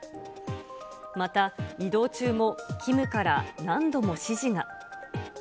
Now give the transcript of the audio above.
また、移動中もキムから何度も指示が。